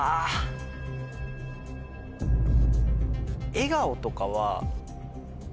笑顔とかは。